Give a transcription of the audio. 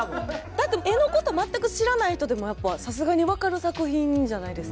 だって絵のことまったく知らない人でもさすがに分かる作品じゃないですか。